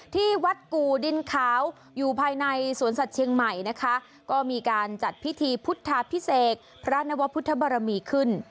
ที่วัดกู่ดินขาวอยู่ภายในสวนสัตว์เชียงใหม่นะคะก็มีการจัดพิธีพุทธาพิเศษพระนวพุทธบรมีขึ้น